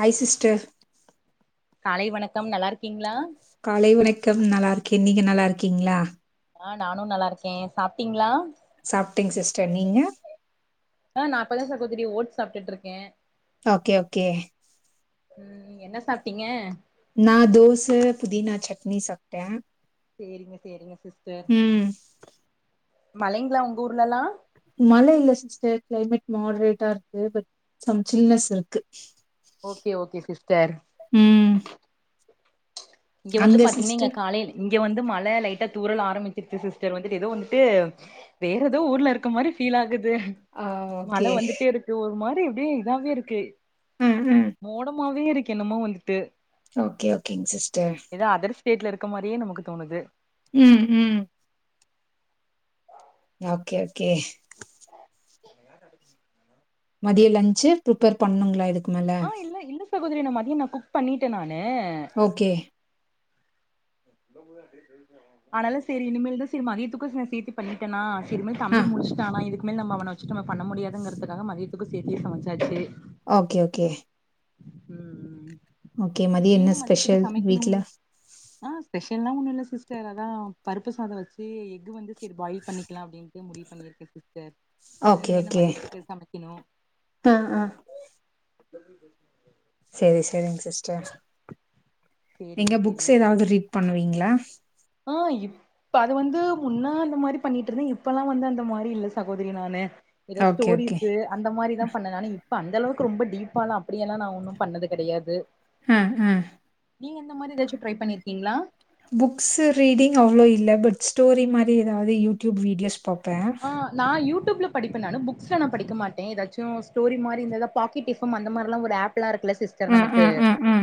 Hi sister காலை வணக்கம் நல்லா இருக்கீங்ளா காலை வணக்கம் நல்லா இருக்கே நீங்க நல்லா இருக்கீங்ளா அ நானு நல்லா இருக்கே சாப்ட்டீங்ளா சாப்ட்டேங் சிஸ்டர் நீங்க அ நா இப்பதா சகோதரி ஓட்ஸ் சாப்ட்டுட்ருக்கே ஓகே ஓகே சாப்ட்டிங்க நா தோச புதினா சட்னி சாப்ட்ட சேரிங்க சேரிங்க சிஸ்டர் மழைங்ளா உங் ஊர்லல்லா மழ இல்ல சிஸ்டர் க்ளைமேட் மாடுரேட்டா இருக்கு பட் சம் சில்னஸ் இருக்கு ஓகே ஓகே சிஸ்டர் ம் இங்க வந்து அங்க பாத்தீங்ன்னா இங்க சிஸ்டர் காலையல இங்க வந்து மழ லைட்டா தூறல் ஆரமிச்சிருச்சி சிஸ்டர் வந்துட்டு ஏதோ வந்துட்டு வேறதோ ஊர்ல இருக்க மாரி ஃபில் ஆகுத் ஆ மழ ஓகே வந்துட்டே இருக்கு ஒரு மாரி எப்டி இதாவே இருக்கு ம் ம் மோடமாவே இருக்கு என்னமோ வந்துட்டு ஓகே ஒ ஏதோ அதர் ஸ்டேட்ல இருக்க மாரியே நமக்கு தோணுது ம் ம் நோகே ஓகே [unintelligible] மதிய லன்சு புப்பேர் பண்ணுங்களா இடு ஆ இல்ல இல்ல சகோதரி நா மதிய நா குக் பண்ணிட்ட நானு ஓகே ஆனாலு சேரி இனிமேல் தா சிரு மதியத்துக்கு ச சேத்தி பண்ணிட்டனா இதுமே ஆ தம்பி முலுஷ்ட்டானா இதுக்கு மேல் நம்ம அவன வச்சுட் நம்ம பண்ணா முடியாதுங்கற்துக்காக மதியத்துக்கு சேத்தியே சமச்சாச்சு ஓகே ஓகே ம் ம் ம் ஓகே மதிய என்ன நீங்க மதியத்துக்கு ஸ்பெஷல் வீட்ல சமைக்கணுங்ளா ஆ ஸ்பெஷல்லா ஒன்னுல்லஸ் சிஸ்டர் அதா பருப்பு சாத வச்சு எக் வந்து சேரி பாயில் பண்ணிக்கலா அப்டின்ட்டு முடிவு பண்ணியிருக்க சிஸ் ஓகே நீங்க என்ன ஓகே மதியத்துக்கு சமக்கிணு ஆ ஆ சேரி சேரிங் சிஸ்டர் சேரிங்க நீங்க சேரிங்க புக்ஸ் சிஸ் ஏதாவது ரீட் பண்ணுவீங்ளா ஆ இப் அது வந்து முன்ன அந்த மாரி பண்ணிட் இருந்த இப்பல்லா வந்து அந்த மாரி இல்ல சகோதரி நானு ஏதா ஓகே ஓகே ஸ்டோரிஸு அந்த மாரிதா பண்ண நானி ப அந் அளவுக்கு ரொம்ப டீப்பாலா அப்டியெல்லா நா ஒன்னு பண்ணது கடையாது ஹ ஹ நீங்க அந்த மாரி ஏதாச்சு ட்ரை பண்ணிருக்கீங்ளா புக்ஸு ரீடிங் அவ்ளோ இல்ல பட் ஸ்டோரி மாரி ஏதாவுது யூட்யூப் வீடியஸ் ஆ நா யூ டூப்ல படிப்ப நானு புக்ஸ்ல நா படிக்க மாட்டே ஏதாசும் ஸ்டோரி மாரி இந்தாதா பாக்கெட் எப்ஃ எம் அந்த மார்லா ஒரு ஆப் பில்லாருக்குல சிஸ்டர் ஆ ஆ நமக்கு ஆ ஆ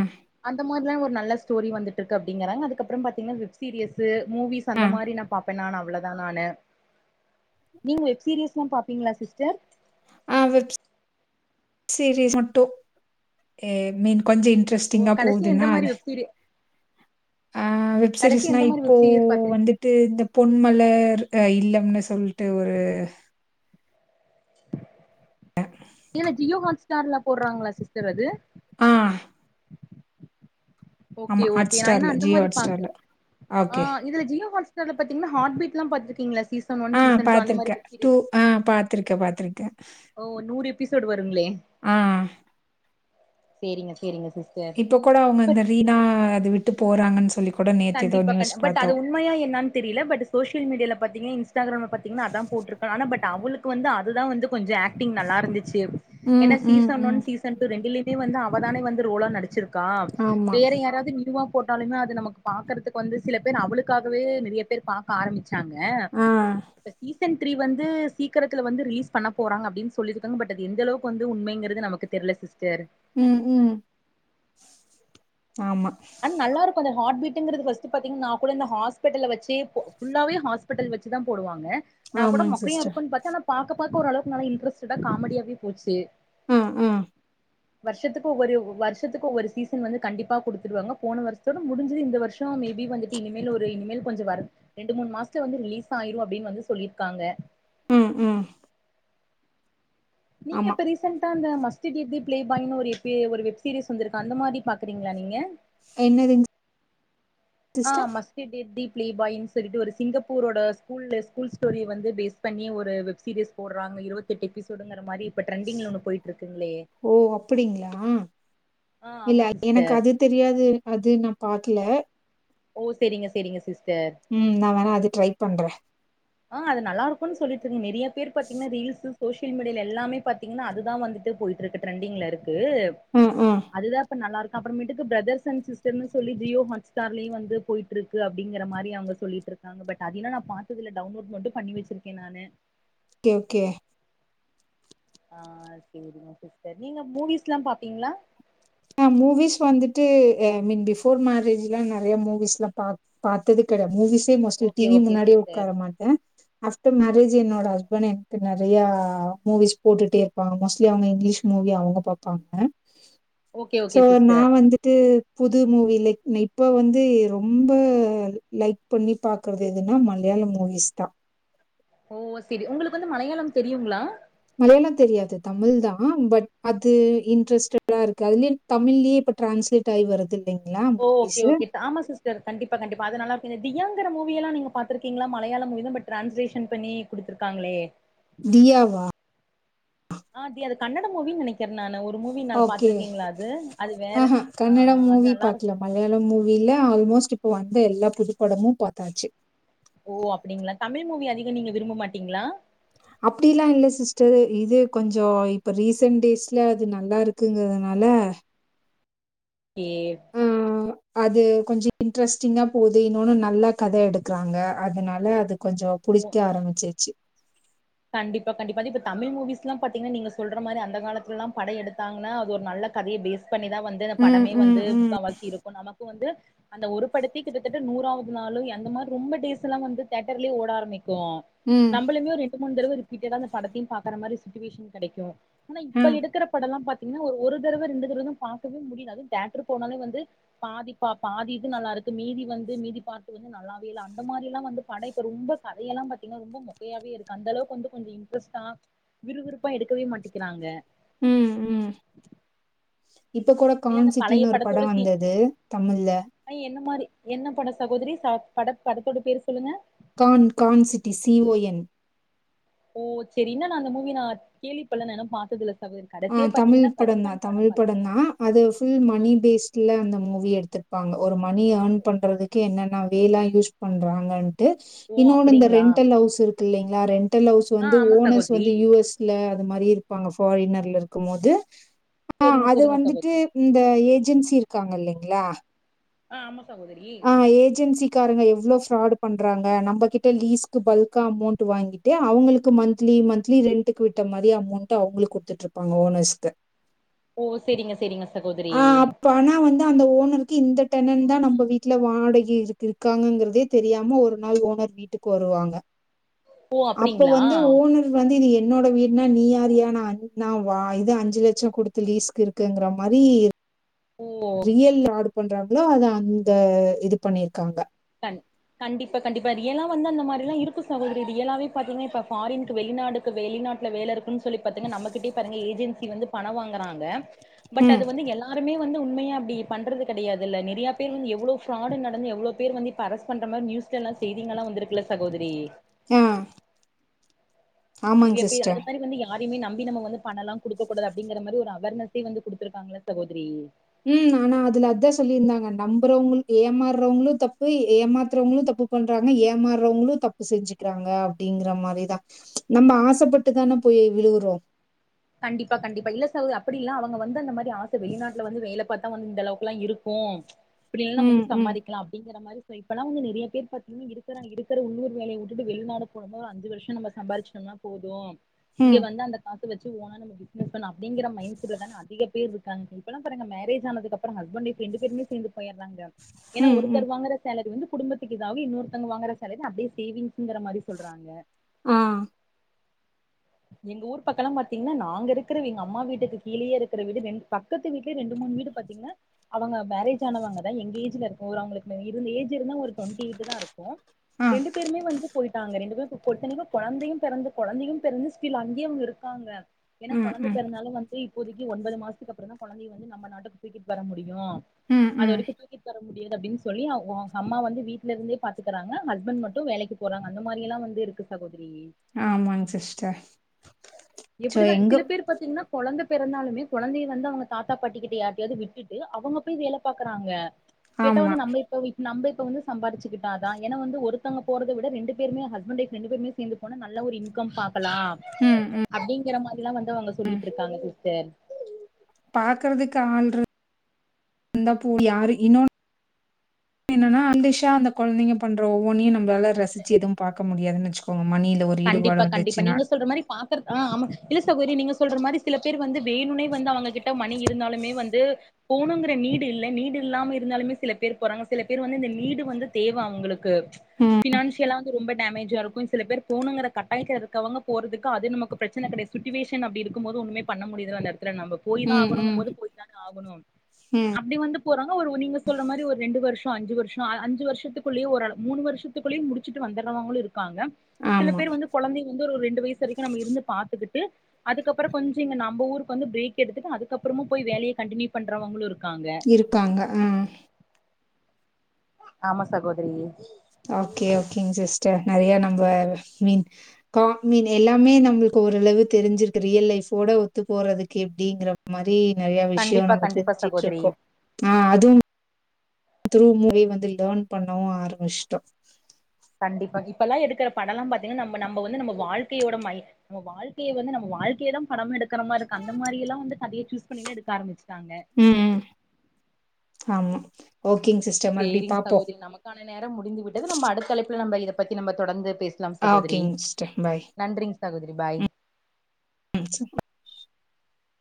அந்த மாரி ஒரு நல்ல ஸ்டோரி வந்துட்டுருக்கு அப்டிங்கறாங்க அதுக்கப்பறம் பாத்தீங்கனா வெப் சீரியஸு மூவிஸ் ஆ அந்த மாரி நா பாப்பெனாநா அவ்ளோதா நானு நீங்க வெப் சீரியஸ்லா பாப்பீங்ளா சிஸ்டர் ஆ வெப்ஸ் சீரீஸ் மட்டு ஏ மீன் கொஞ்ச ஓ இன்ட்ரெஸ்ட்டிங்கா கடைசி எந்த போவுதுன்னா மாரி அது வெப் சீரி ஆ வெப் கடைசி சீரீஸ்னா எந்த மாரி இப்போ வெப் சீரியஸ் பாத்திருக் வந்துட்டு இந்த பொன்மலர் அ இ இல்லம்னு சொல்ட்டு ஒரு இதுல ஜியோ ஹாட்ஸ்டார்ல போற்றாங்களா சிஸ்டர் அது ஆ ஓகே ஆமா ஹாட் ஓகே நா இன்ன ஸ்டார்ல அந்த ஜியோ மாரி ஹாட் பாத்த ஸ்டார்ல ஆ ஓகே இதுல ஜியோ ஹாட்ஸ் டர்ல பத்தீங்ன்னா ஹாட் பீட்லா பாத்துருக்கீங்ளா சீசன் ஒன் ஆ சீன் டூ அந்த மாரி பாத்திருக்கே வெப் டூ சீரியஸ் ஆ பாத்திருக்கே பாத்திருக்கே ஒ நூறு எபிசோடு் வரு ஆ சேரிங்க சேரிங்க சிஸ்டர் இப்ப கூட அவுங்க அந்த பட் ரீனா அது விட்டு போறாங்கன்ஸ் கண்டிப்பா கண்ட் பட் அது உண்மயா என்னான் தெரியில பட் சோசியல் மீடியால பாத்தீங்கன்னா பத்தீங்கயின்ஸ் டாகுரம்ல பத்தீங்ன்னா அதா போட்ருக்கு அனா பட் அவுளுக்கு வந்து அதுதா வந்து கொஞ்ச ஆக்டிங் நல்லாருந்து சியப் ஏன்னா ம், ம், சீசன் ஒன் ம். சீசன் டூ ரெண்டிலிமே வந்து அவதானே வந்து ரோலா நடிச்சிரு கா ஆமா. வேற யாராவ்து நியூவா போட்டாலுமே அது நமக்கு பாக்கற்துக்கு வந்து சில பேர் அவளுக்காகவே நெறிய பேர் பாக்க ஆரமிச்சாங்க ஆ. இப்ப சீசன் த்ரி வந்து சீக்கரத்துல வந்து ரீஸ் பண்ண போறாங்க அப்டின் சொல்லிருக்காங்க பட் அது எந்த அளவுக்கு வந்து உண்மைங்குறது நமக்கு தெரில சிஸ்டர் ம் ம் ஆமா. அன் நல்லாருக்கு அந்த ஹாட் பீட் டிங்குறுது ஃபஸ்ட்டு பத்திங் நா கூட இந்த ஹாஸ்பிட்டல வச்சி ஃபுல்லாவே ஹாஸ்பிட்டல் வச்சி தா போடுவாங்க நா கூட ஆமாங்க சிஸ்டர். மொக்கயாயிருக்குன் பாத்தன் ஆனா பாக்க பாக்க ஓரளவுக்கு நல்லா இன்ட்ரெஸ்ட்டுடா காமெடியாவே போச்சு ம் ம் வருஷத்துக்கு ஒவ்வொரு வருஷத்துக்கு ஒவ்வொரு சீசன் வந்து கண்டிப்பா குடு த்துருவாங்க போன வருஷத்தோட முடிஞ்சுது இந்த வருஷோ மேபி வந்துட்டு இனிமேல் ஒரு இனிமேல் கொஞசோ ஒர்க் ரெண்டு மூணு மாசத்துலயே வந்து ரிலீஸ் ஆயிரு அப்டின் வந்து சொல்லிருக்காங்க ம் ம் நீங்க ஆமா. இப்ப ரீசண்டா அந்த மஸ்ட் டேட் தெ பிளேபாய்னு ஒரு எபி வெப் சீரிஸ் வந்துருக்கா அந்த மாதிரி பாக்கறீங்ளா நீங்க என்னதுங் ஆ மஸ்ட் டேட் தி பிளே பாய்னு சொல்லிட்டு ஒரு சிங்கப்பூரோட ஸ்கூல்ல ஸ்கூல் ஸ்டோரிய வந்து பேஸ் பண்ணி ஒரு வெப்சீரியஸ் போடுறாங்க இருவத்தெட்டு எப்பிசோடுங்கிற மாரி இப்ப ட்ரெண்டிங்ல ஒன்னு போயிட்டுருக்கு ஓ அப்டிங்ளா ஆ இல்ல ஆமா எனக்கு சிஸ்டர் அது தெரியாது அது நா பாக்ல ஓ செரிங்க செரிங்க சிஸ் ம் நா வேணா அது ட்ரை பண்ற ஆ அது நல்லாருக்குன் சொல்லிட்டுருங் நெறய பேரு பாத்தீங்கன்னா ரீல்ஸ் சோசியல் மீடியால எல்லாமே பாத்தீங்னா அதுதா வந்துட்டு போயிட்டுருக்கு ட்ரெண்டிங்கிலருக்கு அ, ஆ. து அதுதா இப்ப நல்லாருக்கு அப்றமேட்டுக்கு பிரதர்ஸ் அண்ட் சிஸ்டர்னு சொல்லி ஜியோ ஹாட் ஸ்டார்லயே வந்து போயிட்டுருக்கு அப்டிங்கிற மாரி அவுங்க சொல்லிட்டு ருக்காங்க பட் அத நா பாத்ததுதில்ல டவுன்லோடு மட்டு பண்ணி வெச்சிருக்கேன் நானு ஓகே ஓகே ஆ செரிங்க சிஸ்டர் நீங்க மூவிஸ்ல்லா பாப்பீங்ளா ஆ மூவிஸ் வந்துட்டு ஐ மீன் பிஃபோர் மேரேஜ்ல்லா நெறயா மூவிஸ்ல்லா பாத் பாத்தது டெடா மூவிஸே மோஸ்ட்லி டி ஓகே வி ஓகே முன்னாடி சிஸ்டர் உக்கார மாட்டே ஆஃப்டர் மேரேஜ் என்னோட ஹஸ்பண்ட் எனக்கு நெறயா மூவிஸ் போட்டுட்டேருப்பாங்க மோஸ்ட்லி அவுங்க இங்கிலீஷ் மூவி மூவி அவுங்க பாப்பாங்க ஓகே சோ ஓகே நா சிஸ்டர் வந்துட்டு புது மூவி லைக் இப்ப வந்து ரொம்ப லைக் பண்ணி பாக்கறது எதுனா மலை யாள மூவிஸ்தா ஓ செரி உங்களுக்கு வந்து மலையாளம் தெரியுங்ளா மலையாளோ தெரியாது தமிழ்தா பட் அது இன்ட்ரெஸ்டடாருக்கு அதில்யே தமிழ்யே இப்ப டிரான்ஸ்லேட்டாயி வருது இல்லைங்களா ஓ ஓகே மூவிஸு ஓகே ஆமா சிஸ்டர் கண்டிப்பா கண்டிப்பா அது நல்லா இருக்கு இந்த தியாங்கிற மூவியெல்லா நீங்க பாத்திருக்கீங்ளா மலையாள மூவிதா பட் டிரான்ஸ்லேஷன் பண்ணி குடுத்துருக்காங்ளே தியாவா அ தியா அது கன்னட மூவின்னு நெனைக்கிறேன் நானு ஒரு மூவி நா ஓகே பாத்திருக்கீங்களா அது அது வேற ஆஹா ஆ கன்னட அது மூவி நல்லா இருக்கு பாக்கல மலையாள மூவில ஆல்மோஸ்ட் இப்போ வந்த எல்லா புதுப்படமும் பாத்தாச்சு ஓ அப்டிங்ளா தமிழ் மூவி அதிக நீங்க விரும்ப மாட்டீங்ளா அப்டியெல்லா இல்ல சிஸ்டர் இது கொஞ்சோ இப்ப ரீசன்ட் டேஸ்ல அது நல்லாருக்குங்கறதுனா ல ஏவ் அது கொஞ்சோ இன்ட்ரெஸ்ட்டிங்கா போது இன்னொனு நல்லா கத எடுக்கறாங்க அதனால அது கொஞ்சோ ஓ புடிக்க ஆரம்பிச்சிருச்சு கண்டிப்பா கண்டிப்பா இது இப்ப தமிழ் மூவிஸ்ல்லாம் பாத்தீங்கன்னா நீங்க சொல்ற மாரி அந்த காலத்துலல்லாம் படோ எடுத்தாங்கனா அது ஒரு நல் கதய பேஸ் பண்ணிதா வந்து அந்த ம், படமே ம், வந்து ம். முக்காவாசிருக்கு நம க்கு வந்து அந்த ஒரு படத்தயே கிட்டத்தட்ட நூறாவது நாளோ அந்த மாரி ரொம்ப டேஸ்ல்லா வந்து தியோட்டர்லயே ஓட ஆரம்பிக்கும் க்கு ம். நம்பளுமே ஒரு ரெண்டு மூணு தடவ ரிப்பீட்டடா அந்த படத்தையு பாக்கற மாரி சிட்டுவேஷன் கெடைக்கு ஆனா அ. இப்ப எடுக்கிற படல்லா பா இன்னு ஒ ஒரு தரவ ரெண்டு தரவதா பாக்கவே முடியுது அதுவு தேட்டரு போனாலே வந்து பாதி பா பாதி இது நல்லாரு க்கு மீதி வந்து மீதி பார்ட்டு வந்து நல்லாவே இல்ல அந்த மாரிலா வந்து பட இப்ப ரொம்ப கதையெல்லா பாத்தீங்னா ரொம்ப மொக்கையாவே இருக் அந்தளவுக்கு வந்து கொஞ்ச இன்ட்ரெஸ்ட்டா விறுவிறுப்பா எடுக்கவே மாட்டிக்கிறாங்க ம் ம் இப்பக் கூட இல்ல அந்த பழைய கான்சிட்டினு ஒரு பட படத்தோட சீ வந்தது தமிழ்ல அ என்ன மாரி என்ன பட சகோதரி சா பட படத்தோட பேரு சொல்லுங்க கான் கான் city C O N O செரி இன்னு நா அந்த மூவி நா கேள்விப்பட்ல நா இன்னு பாத்ததில்ல சகோதரி ஆ கடைசியா தமிழ் பாத்தீங்கன்னா படந்தா கருப்பன் படம் தமிழ் பாத்தே படந்தா அது ஃபுல் மணி பேஸ்ட்ல அந்த மூவி எடுத்துருப் ப்பாங்க ஒரு மணி ஏர்ன் பண்றதுக்கு என்னென்ன வேலா யூஸ் பண்றாங்கன் ட்டு ஓ இன்னோனு இந்த அப்டிங்களா ரெண்டல் ஹவுஸ் இருக்கு இல்லைங்ளா ரெண் டல் ஹவுஸ் ஆ வந்து ஆமா ஓனர்ஸ் சகோதரி வந்து யு எஸ்‌ ல அது மாரி இருப்பாங்க ஃபாரினர்ல இருக்குமோது ஆ சேரிங்க அது சேரிங்க வந்துட்டு சகோதரி இந்த ஏஜென்சி இருக்காங்க இல்லைங்ளா ஆ ஆமா சகோதரி ட்காரங்க எவ்ளோ ஃப்ராடு பண்றாங்க நம்பகிட்ட லீஸ்க்கு பல்க்கா அமௌண்ட்டு வாங்கிட்டு அவ்ங்களுக்கு மந்த்லி ஏ மந்த்லி ரென்ட்டுக்கு விட்ட மாரி அமௌண்ட்ட அவ்ங்களுக்கு குட்த்துட்ருப்பாங்க ஓனர்ஸ்க்கு ஓ சேரிங்க சேரிங்க சகோதரி ஆ அப்ப ஆனா வந்து அந்த ஓனருக்கு இந்த டென்னன் ந்தா நம்ப வீட்ல வாடகை இருக்கு இருக்காங்கங்கிறதே தெரியாம ஒரு நாள் ஓனர் வீட்டுக்கு வருவாங்க ஓ அப்ப அப்டிங்களா வந்து ஓனர் வந்து இது எ என்னோட வீடுனா நீயாருயா நா நாவா இது அஞ்சு லெச்சோ குடுத்து லீஸ்க்கு இருக்கேங்கிற மாரி ஓ ரியல் ஆடு பண்றாங்ளோ அத அந்த இது பண்ணிருக்காங்க கண் கண்டிப்பா கண்டிப்பா ரியலா வந்து அந்த மாரிலா இருக்கு சகோதரி ரியலாவே பாத்தீங்னா இப்ப ஃபாரின்க்கு வெளிநாடுக்கு வெளிநாட்ல வேல இருக்குன் சொ தோழி பாத்துங்க நம்மகிட்டே பாருங்க ஏஜென்சி வந்து பண வாங்கறாங்க பட் ம். அது வந்து எல்லாருமே வந்து உண்மையா அப்டி பண்றது கெடையாதுல்ல நெறையா பேரு வந்து எவ்ளோ ஃப்ராடு நடந்து எவ்ளோ பேரு வந்து இப்ப அரஸ் பண்ற மாரி நியூஸ்லலா செய்திங்களா வந்திருக்குல சகோதரி ஆ ஆமாங்க நெறைய பேர் அது சிஸ்டர். மாரி வந்து யா யாரையுமே நம்பி நம்ம வந்து பணலா குடுக்க கூடாது அப்டிங்கற மாரி ஒரு அவர்னஸ்ஸே வந்து குடுத்துருக்காங்கள சகோதரி ம் ஆனா அதுல அதா சொல்லிருந்தாங்க நம்புறவ்ங்கள் ஏமாற்றவ்ங்ளு தப்பு ஏமாத்றவ்ங்ளு தப் ப்பு பண்றாங்க ஏமாற்றவ்ங்களு தப்பு செஞ்சுக்கிறாங்க அப்டிங்கிற மாரிதா நம்ம ஆசப்பட்டுதான போய் விழுகுறோ கண்டிப்பா கண்டிப்பா இல்ல சகோதரி அப்டி இல்ல அவங்க வந்து அந்த மாரி ஆச வெளிநாட்ல வந்து வேல பாத் தா வந்து இந்த அளவுக்குலா இருக்கு இப்டியெல்லா ம் நம்ம வந்து ம் சம்பாதிக்லா அப்டிங்கிற மாரி சோ இப்பலா வந்து நெறையா பேர் பாத்தீங்னா இருக்குறா இருக்குற உள்ளூர் வேலைய வுட்டுட்டு வெளிநாடு போடம்போத அஞ்சு வர்ஷ நம்ம சம்பாரிச்சுடம்னா னா போது இங்க ம் வந்து அந்த காசு வச்சு ஓனா நம்ம பிஸ்னஸ் பண்லா அப்டிங்கிற மைண்ட் செட்ல தான அதிக பேர் இருக்காங்க இப்பலா பாருங்க மேரேஜ் ஆனதுக்கப்ற ஹஸ்பண்ட் ஒய்ஃப் ரெண்டு பேருமே சேந்து பேயிர்றாங்க ஏனா ம் ம் ஒருத்தர் வாங்குற சேலரி வந்து குடும்பத்துக்கு இதாகு இன்னொருத்தங்க வாங்குற சேலரி அப்டியே சேவிங்ஸுங்கிற மாரி சொல்றாங்க ஆ எங்க ஊர் பக்கலா பாத்தீங்னா நாங்க இருக்குற வீ எங்க அம்மா வீட்டுக்கு கீழயே இருக்குற வீடு ரெண்டு பக்கத்து வீட்லே ரெண்டு மூ மூணு வீடு பாத்தீங்னா அவங்க மேரேஜ் ஆனவங்க தா எங்க ஏஜ்ல இருக்கு ஒரு அவ்ங்களுக்குள்ள இருந்த ஏஜ் ஜ் இருந்தா ஒரு டொன்டி எய்ட்டு தா இருக்கு ஆ ரெண்டு பேருமே வந்து போய்ட்டாங்க ரெண்டு பேரு இப்ப பொறுத்தன்னைக்கு கொழந்தையு பெறந்து கொழந்தையு பெறந்து ஸ்டில் அங்கே அவுங்க இருக்காங்க ஏனா ம் கொழந்த ம் பெறந்தாலு வந்து இப்போதைக்கு ஒன்பது மாசத்துக்கு அப்றந்தா கொழந்தைய வந்து நம்ம நாட்டுக்கு தூக்கிட்டு வர முடியு யு ம் அது ம் வரைக்கு தூக்கிட்டு வர முடியாது அப்டின் சொல்லி அவ் ஓ ஹம்மா வந்து வீட்லருந்தே பாத்துக்குறாங்க ஹஸ்பண்ட் மட்டு வேலைக்கு போறாங்க அந்த மாரியெல்லா வந்து இருக்கு சகோ ஆமாங்க சிஸ்டர் சோ எப்டிதா எங்க சில பேரு பாத்தீங்னா கொழந்த பெறந்தாலுமே கொழந்தைய வந்து அவுங்க தாத்தா பாட்டிக்கிட்ட யார்ட்டையாது விட்டுட்டு அவுங்க போய் வேல பாக்குறாங்க கேட்டா ஆமா வந்து நம்ப இப்ப வீக் நம்ப வந்து சம்பாருச்சுகிட்டா அதா ஏன்னா வந்து ஒருத்தங்க போறத விட ரெண்டு பேருமே ஹஸ்பண்ட் ஒய்ஃப் ரெண்டு பேருமே சேந்து போனா நல்லா ஒரு இன்கம் பாக் கலா ம் ம் அப்டிங்கற மாரில்லா வந்து அவங்க சொல்லிட்டு இருக்காங்க சிஸ்டர் பாக்கறதுக்கு ஆன்று இருந்தா போ யாரு இன்னொன் என்னன்னா அன்டிஷா அந்த கொந்தைங்க பண்ற ஒவ்வொன்னையு நம்பளால ரசிச்சி எதுவு பாக்க முடியதுன்னு வச்சுகோங் கண்டிப்பா கண்டிப்பா நீங்க சொல்ற மாரி பாக்கற ஆ ஆமா இல்ல சகோரி நீங்க சொல்ற மாரி சில பேர் வந்து வேணுன்னே வந்து அவங்கக்கிட்ட மணி இருந்தாலுமே வந்து போணுங்கிற நீடு இல்ல நீடு இல்லாம இருந்தாலுமே சில பேர் போறாங்க சில பேர் வந்து இந்த நீடு வந்து தேவ அவுங்களுக் க்கு ம் ஃபினான்சியலா வந்து ரொம்ப டேமேஜா இருக்கு சில பேர் போணுங்கிற கட்டாயத்துல இருக்கவங்க போறதுக்கு அது நமக்கு பிரச்சன கெடையா சுட்டுவேஷன் அப்டி இருக்கும் போது ஒன்னுமே பண்ண முடியுறதுல்ல எல்லாருக் க்கிற நம்ப போய் தா ம் ம் ஆகணுங்கம்போது போய் தான ஆகணு அப்டி வந்து போறாங்க ஒரு நீங்க சொல்ற மாரி ஒரு ரெண்டு வருஷ் அஞ்சு வருஷோ அ அஞ்சு வருஷத்துக்குள்ளேயே ஓரளவு மூணு வருஷத்துக்குள்ளயே முடிச்சுட்டு வந்துறவங்களு இருக்காங்க சில ஆமா பேர் வந்து கொழந்தைங்க ரொம்ப ஒரு ரெண்டு வயசு வரைக்கு நம்ம இருந்து பாத்துக்கிட்டு அதுக்கப்புறோ கொஞ்சோ இங்க நம்ப ஊருக்கு வந்து பிரேக் எடுத்துட்டு அதுக்கப்புறோ மா போய் வேலைய கண்டினியூ பண்றவங்களு இருக் இருக்காங்க ஆ ஆமா சகோதிரி ஓகே ஓகேங்க சிஸ்டர் நெறைய நம்ப மீன் காக்மீன் எல்லாமே நம்மளுக் இப்ப ஓரளவு தெரிஞ்சிருக்கு ரியல் லைஃபோட ஒத்து போறதுக்கு எப்டிங்கற மாரி நெறைய விஷயோ கண்டிப்பா நம்ம கண்டிப்பா சகோதரி தெரிஞ்சுட்ருக்கோ ஆ அதுவு த்ரூ மூவி வந்து லேர்ன் பண்ணவு ஆரம்பிச்ட்டோ கண்டிப்பா இப்பெல்லா எடுக்கிற படல்லா பாத்தீங்கன்னா நம்ம நம்ம வந்து நம்ம வாழ்கையோட மய் நம்ம வாழ்கைய வந்து நம்ம வாழ்க்கை இடம் படமெடுத் க்கற மாரி இருக்கு அந்த மாரி எல்லா வந்து கதைய சூஸ் பண்ணிலா எடுக்க ஆரம்பிச்சுட்டாங்க ம், ம். ஆமா ஓக் சேரிங்க சகோதரி நமக்கான நேரம் முடிந்து விட்டது நம்ம அடுத்த அழைப்புல நம்ம இத பத்தி நம்ம தொடர்ந்து பேசலாம் ஆ சகோதிரி ஓகேங் சிஸ்டர் பாய். நன்றிங் சகோதரி பாய் ம்.